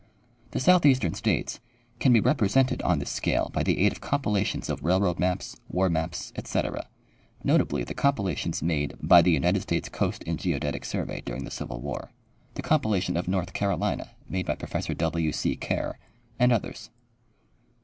The southeastern states can be represented on this scale by the aid of comj)ilations of railroad maps, war maps, etc, notably the compilations made by the United States Coast and Geodetic survey during the civil war, the compilation of North Carolina made by Professor W. C. Kerr, and others.